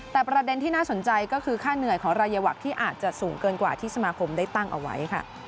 แต่ประเด็นที่น่าสนใจก็คือค่าเหนื่อยของรายวักที่อาจจะสูงเกินกว่าที่สมาคมได้ตั้งเอาไว้ค่ะ